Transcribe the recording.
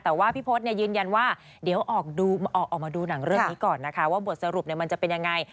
แต่ว่าพี่พศยืนยันว่าเดี๋ยวออกมาดูหนังเรื่องนี้ก่อนนะคะว่าบทสรุปมันจะเป็นยังไง